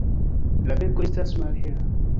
La beko estas malhela.